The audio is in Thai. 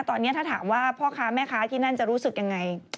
ตอนนี้ถ้าถามว่าพ่อค้าแม่ค้าที่นั่นจะรู้สึกยังไง